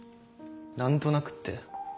何となくって？